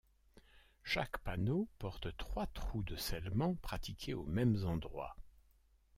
Chaque panneau porte trois trous de scellement pratiqués aux mêmes endroits.